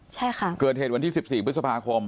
ใช่ค่ะเกิดเหตุวันที่๑๔พฤษภาคม